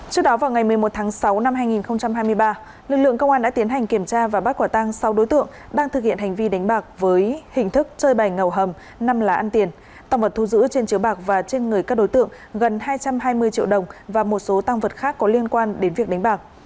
trước đó vào ngày một mươi một tháng sáu năm hai nghìn hai mươi ba lực lượng công an đã tiến hành kiểm tra và bắt quả tăng sáu đối tượng đang thực hiện hành vi đánh bạc với hình thức chơi bài ngầu hầm năm là ăn tiền tăng vật thu giữ trên chiếu bạc và trên người các đối tượng gần hai trăm hai mươi triệu đồng và một số tăng vật khác có liên quan đến việc đánh bạc